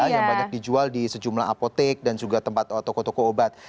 yang banyak dijual di sejumlah apotek dan juga tempat toko toko obat